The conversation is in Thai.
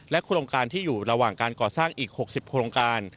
โครงการที่อยู่ระหว่างการก่อสร้างอีก๖๐โครงการ